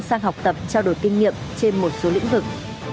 sang học tập trao đổi kinh nghiệm trên một số lĩnh vực